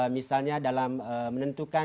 misalnya dalam menentukan